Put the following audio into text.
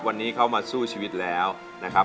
วันนี้เข้ามาสู้ชีวิตแล้วนะครับ